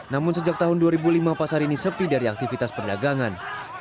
namun sejak tahun dua ribu lima pasar ini sepi dari aktivitas perdagangan